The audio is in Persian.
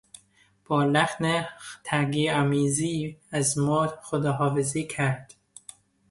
با لحن تحقیرآمیزی از ما خداحافظی کرد.